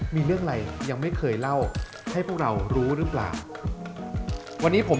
มีเรื่องอะไรยังไม่เคยเล่าให้พวกเรารู้หรือเปล่าวันนี้ผม